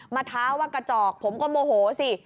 ท้าว่ากระจอกผมก็โมโหสิ